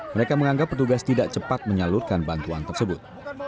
mereka menganggap petugas tidak cepat menyalurkan bantuan tersebut